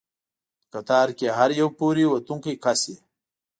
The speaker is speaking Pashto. په قطار کې هر یو پورې ووتونکی کس یې.